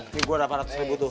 ini gua ada ratus ribu tuh